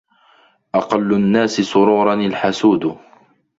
أقل الناس سروراً الحسود